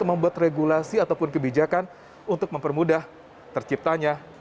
perbankan indonesia yang dikenal sebagai sektor perbankan